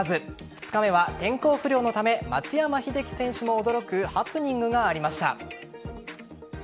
２日目は天候不良のため松山英樹選手も驚くハプニングがありました。